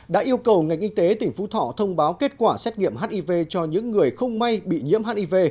đã yêu cầu ngành y tế tỉnh phú thọ thông báo kết quả xét nghiệm hiv cho những người không may bị nhiễm hiv